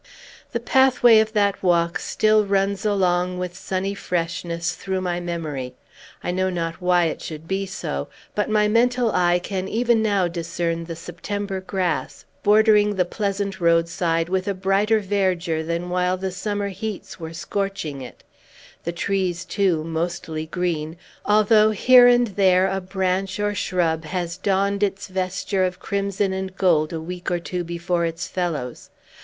The pathway of that walk still runs along, with sunny freshness, through my memory. I know not why it should be so. But my mental eye can even now discern the September grass, bordering the pleasant roadside with a brighter verdure than while the summer heats were scorching it; the trees, too, mostly green, although here and there a branch or shrub has donned its vesture of crimson and gold a week or two before its fellows.